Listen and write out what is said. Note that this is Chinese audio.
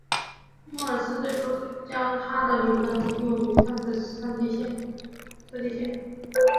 莫尔斯最初将他的理论用于测地线。